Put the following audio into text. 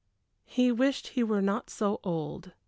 He wished he were not so old.